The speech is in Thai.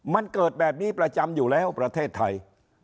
มันเกิดแบบนี้ประจำอยู่แล้วประเทศไทย